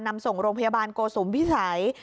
นำส่งโรงพยาบาลโกสุมพิสัย